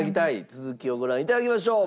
続きをご覧頂きましょう。